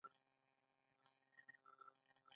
د زیتون ونې په کومو ولایتونو کې ښه کیږي؟